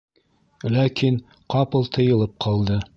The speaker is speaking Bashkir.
Ләкин ҡапыл тыйылып ҡалды.